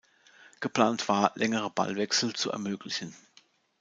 Geplant war, längere Ballwechsel zu ermöglichen.